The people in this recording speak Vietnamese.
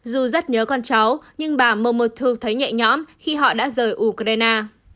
dù rất nhớ con cháu nhưng bà momoth thấy nhẹ nhõm khi họ đã rời ukraine